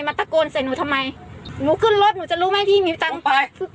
ตะโกนใส่หนูทำไมหนูขึ้นรถหนูจะรู้ไหมพี่มีตังค์ไป